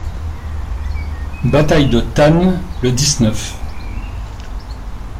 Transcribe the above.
Bataille de Tann, le dix-neuf.